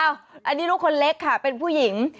อันนี้ลูกคนเล็กค่ะเป็นผู้หญิง